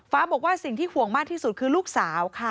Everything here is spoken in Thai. บอกว่าสิ่งที่ห่วงมากที่สุดคือลูกสาวค่ะ